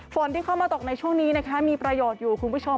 ฝนที่เข้ามาตกในช่วงนี้นะคะมีประโยชน์อยู่คุณผู้ชม